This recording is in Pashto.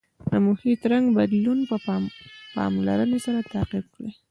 د محیط رنګ بدلون په پاملرنې سره تعقیب کړئ.